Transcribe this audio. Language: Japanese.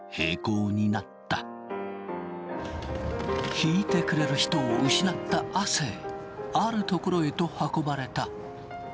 弾いてくれる人を失った亜生ある所へと運ばれた。